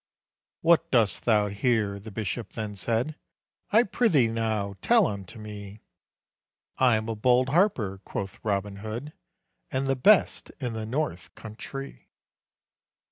"What dost thou here?" the bishop then said, "I prithee now tell unto me." "I am a bold harper," quoth Robin Hood, "And the best in the north country."